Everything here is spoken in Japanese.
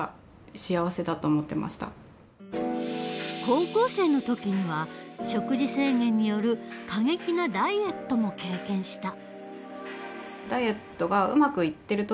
高校生の時には食事制限による過激なダイエットも経験した。